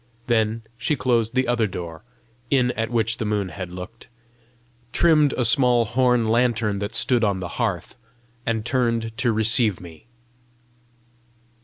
Then she closed the other door, in at which the moon had looked, trimmed a small horn lantern that stood on the hearth, and turned to receive me.